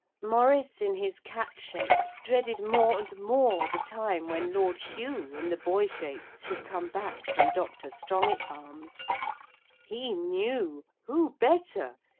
Maurice in his cat shape dreaded more and more the time when Lord Hugh in the boy shape should come back from Dr. Strongitharm's. He knew who better?